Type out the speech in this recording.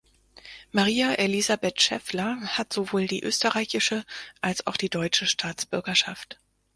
Maria-Elisabeth Schaeffler hat sowohl die österreichische als auch die deutsche Staatsbürgerschaft.